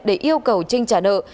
để yêu cầu trinh trả nợ